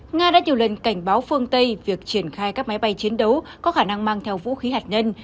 nga đã nhiều lần cảnh báo phương tây việc triển khai các máy bay chiến đấu có khả năng mang theo vũ khí hạt nhân